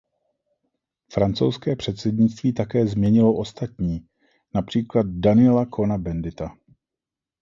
Francouzské předsednictví také změnilo ostatní, například Daniela Cohna-Bendita.